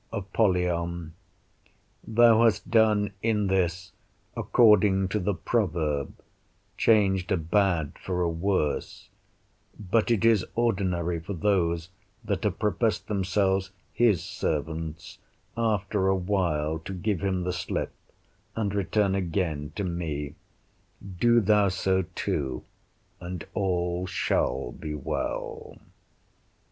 Apollyon Thou hast done in this according to the proverb, changed a bad for a worse; but it is ordinary for those that have professed themselves his servants, after a while to give him the slip and return again to me: Do thou so too, and all shall be well.